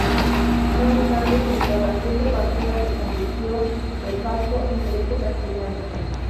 No obstante, junto a las Siete Partidas, se convirtió "de facto" en derecho castellano.